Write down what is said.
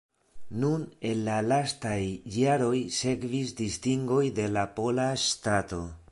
Nur en la lastaj jaroj sekvis distingoj de la pola ŝtato.